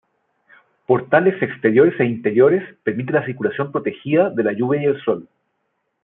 Portales exteriores e interiores permiten la circulación protegida de la lluvia y el sol.